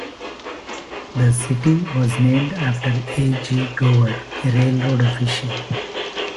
The city was named after A. G. Gower, a railroad official.